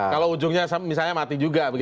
kalau ujungnya misalnya mati juga